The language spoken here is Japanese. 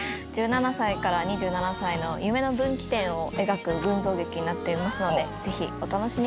１７歳から２７歳の夢の分岐点を描く群像劇になっていますのでぜひお楽しみください。